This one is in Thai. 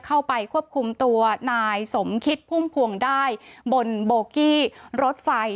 เข้าไปควบคุมตัวนายสมคิดพุ่มพวงได้บนโบกี้รถไฟ